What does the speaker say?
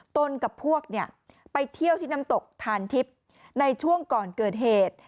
กับพวกเนี่ยไปเที่ยวที่น้ำตกทานทิพย์ในช่วงก่อนเกิดเหตุ